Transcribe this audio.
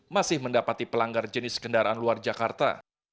masih mendapati pelanggar jenis kendaraan luar jakarta